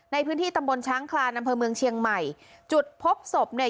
ในพื้นที่ตำบลช้างคลานอำเภอเมืองเชียงใหม่จุดพบศพเนี่ย